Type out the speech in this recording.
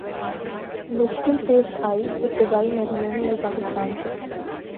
مشکل پیش آئی ابتدائی مر حلے میں یہ پاکستان کے